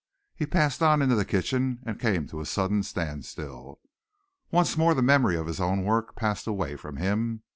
He passed on into the kitchen and came to a sudden standstill. Once more the memory of his own work passed away from him.